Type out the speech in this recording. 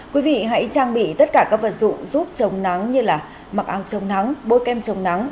quý vị hãy trang bị tất cả các vật dụng giúp chống nắng như là mặc áo chống nắng bôi kem chống nắng